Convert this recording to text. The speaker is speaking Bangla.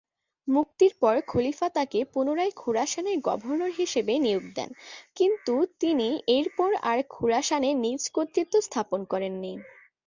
মুক্তির পর খলিফা তাকে পুনরায় খোরাসানের গভর্নর হিসেবে নিয়োগ দেন কিন্তু তিনি এরপর আর খোরাসানে নিজ কর্তৃত্ব স্থাপন করেননি।